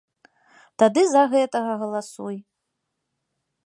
Тады за гэтага галасуй.